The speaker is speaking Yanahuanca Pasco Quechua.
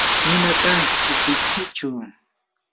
ninata upitsichu.